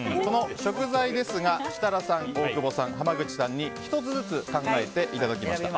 食材は設楽さん、大久保さん濱口さんに１つずつ考えていただきました。